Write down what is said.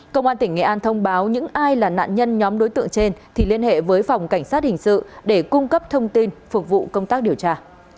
công an tỉnh nghệ an thông báo những ai là nạn nhân nhóm đối tượng trên thì liên hệ với phòng cảnh sát hình sự để cung cấp thông tin phục vụ công tác điều tra